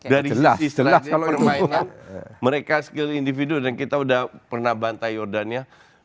dari istilah permainan mereka skill individu dan kita udah pernah bantai jordan ya